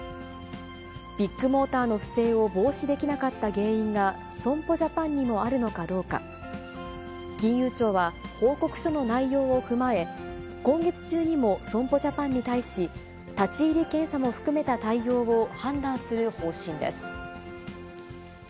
ビッグモーターの不正を防止できなかった原因が損保ジャパンにもあるのかどうか、金融庁は報告書の内容を踏まえ、今月中にも損保ジャパンに対し、立ち入り検査も含めた対応を判断する方針です。